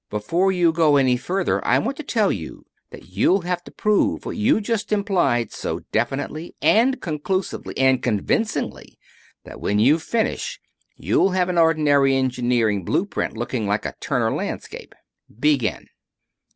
Before you go any further I want to tell you that you'll have to prove what you just implied, so definitely, and conclusively, and convincingly that when you finish you'll have an ordinary engineering blue print looking like a Turner landscape. Begin."